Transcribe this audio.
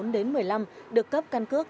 một mươi bốn đến một mươi năm được cấp căn cước